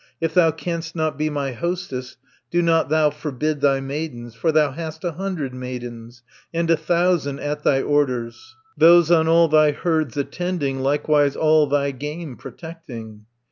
60 If thou canst not be my hostess, Do thou not forbid thy maidens, For thou hast a hundred maidens, And a thousand at thy orders, Those on all thy herds attending, Likewise all thy game protecting.